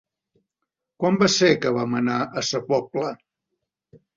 Quan va ser que vam anar a Sa Pobla?